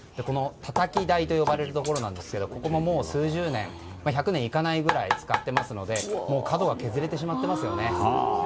たたき台と呼ばれるところなんですがここも、もう数十年１００年いかないぐらい使っているので角が削れていますね。